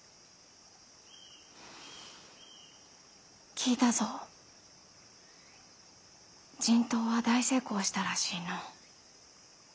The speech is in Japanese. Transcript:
聞いたぞ人痘は大成功したらしいの。